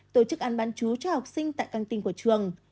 tổ chức ăn bán chú cho học sinh tại căng tin của trường